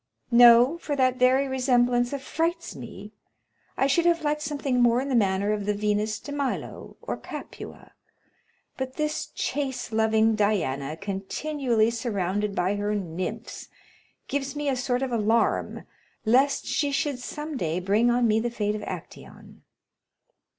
"No, for that very resemblance affrights me; I should have liked something more in the manner of the Venus of Milo or Capua; but this chase loving Diana, continually surrounded by her nymphs, gives me a sort of alarm lest she should some day bring on me the fate of Actæon."